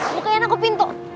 bukain aku pintu